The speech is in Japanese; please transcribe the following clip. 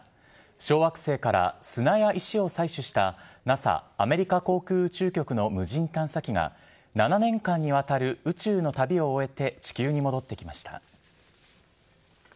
小惑星から砂や石を採取したＮＡＳＡ・アメリカ航空宇宙局の無人探査機が、７年間にわたる宇宙の旅を終えて、地球に戻ってきました。